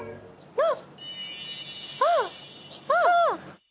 あっ！